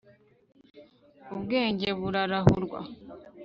ubwenge burarahurwa